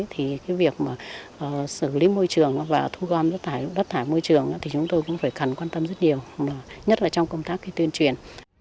thì việc xử lý môi trường và thu gom đất thải môi trường thì chúng tôi cũng phải cần quan tâm rất nhiều nhất là trong công tác tuyên truyền